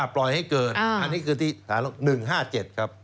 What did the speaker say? ปล่อยให้เกิดอันนี้คือที่๑๕๗ครับ